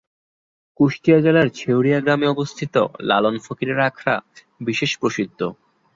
কুষ্টিয়া জেলার ছেঁউড়িয়া গ্রামে অবস্থিত লালন ফকিরের আখড়া বিশেষ প্রসিদ্ধ।